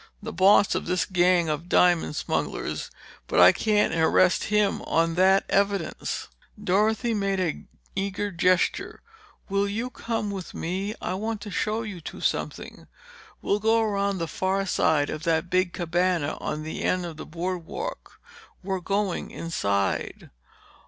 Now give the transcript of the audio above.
The boss of this gang of diamond smugglers—but I can't arrest him on that evidence!" Dorothy made an eager gesture. "Will you come with me—I want to show you two something. We'll go around the far side of that big cabana on the end of the boardwalk. We're going inside."